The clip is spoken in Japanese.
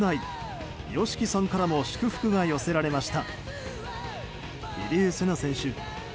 ＹＯＳＨＩＫＩさんからも祝福が寄せられました。